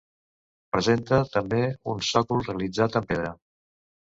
Presenta, també, un sòcol realitzar amb pedra.